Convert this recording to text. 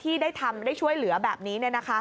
ที่ได้ทำได้ช่วยเหลือแบบนี้